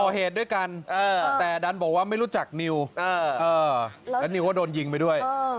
เหตุด้วยกันแต่ดันบอกว่าไม่รู้จักนิวแล้วนิวก็โดนยิงไปด้วย